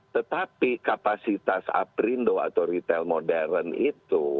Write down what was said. tetapi kapasitas aprindo atau retail modern itu